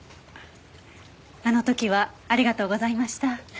あの時はありがとうございました。